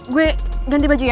gue ganti baju ya